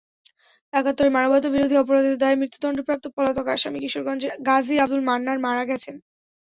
একাত্তরে মানবতাবিরোধী অপরাধের দায়ে মৃত্যুদণ্ডপ্রাপ্ত পলাতক আসামি কিশোরগঞ্জের গাজী আবদুল মান্নান মারা গেছেন।